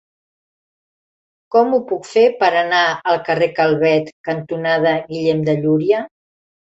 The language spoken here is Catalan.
Com ho puc fer per anar al carrer Calvet cantonada Guillem de Llúria?